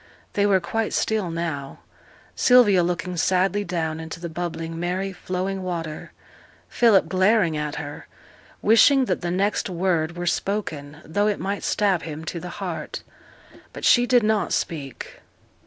They were quite still now. Sylvia looking sadly down into the bubbling, merry, flowing water: Philip glaring at her, wishing that the next word were spoken, though it might stab him to the heart. But she did not speak.